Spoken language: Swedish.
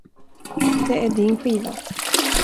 Det är din skiva.